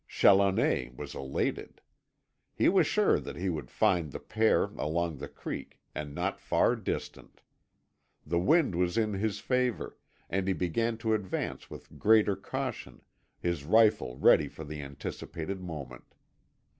Challoner was elated. He was sure that he would find the pair along the creek, and not far distant. The wind was in his favour, and he began to advance with greater caution, his rifle ready for the anticipated moment.